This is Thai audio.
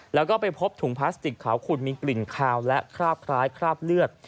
แล้วก็ไปพบถุงพลาสติกขาวขุดมีกลิ่นคาวและคราบคล้ายคราบเลือด